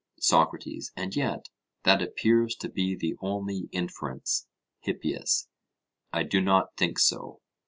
SOCRATES: And yet that appears to be the only inference. HIPPIAS: I do not think so.